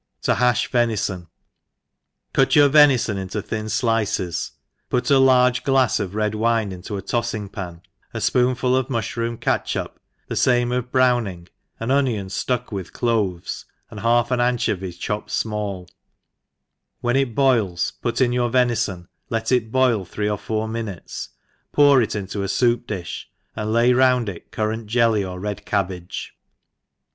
I 7i?^^7/2^ Venison. CUT youi^venifon in thin (liees, put a large glafs of red wine into a to(fing pan, a fpoonful of mu(hroom catchup, the fame of browning, an onion (luck with cloves, and half an anchovy chopped fmall; when it boils, put inyourveni JTon, let it boil three* or four minutes, pour it into a foup di(h, and lay round it currant j^Hy^ or red cabbage. ' ENGLISH HOUSE KEEPE^R.